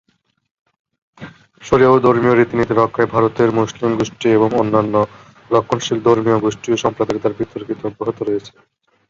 শরিয়া ও ধর্মীয় রীতিনীতি রক্ষায় ভারতের মুসলিম গোষ্ঠী এবং অন্যান্য রক্ষণশীল ধর্মীয় গোষ্ঠী ও সম্প্রদায়ের দ্বারা বিতর্কিত অব্যাহত রয়েছে।